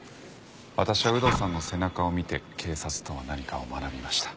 私は有働さんの背中を見て警察とは何かを学びました。